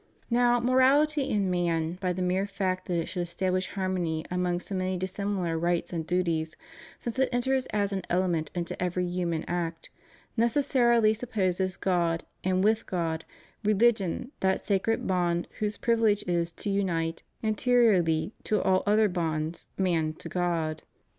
Now, morality, in man, by the mere fact that it should establish harmony among so many dissimilar rights and duties, since it enters as an element into every human act, necessarily supposes God, and with God, religion, that sacred bond whose privilege is to unite, anteriorly to all other bonds, man to God.